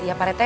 iya pak rete